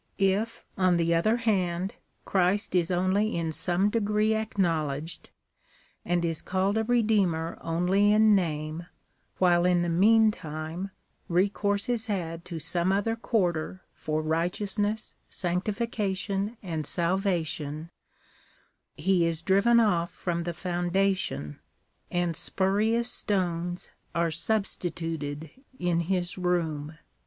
If, on the other hand, Christ is only in some degree acknowledged, and is called a Redeemer only in name, while in the meantime recourse is had to some other quarter for righteousness, sanctification and salvation, he is driven off from the foundation, and spu rious^ stones are substituted in his room.